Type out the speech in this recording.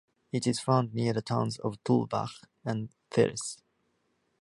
It is found near the towns of Tulbagh and Ceres.